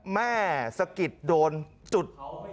สะกิดโดนจุด